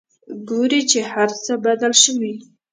ګوري چې هرڅه بدل شوي.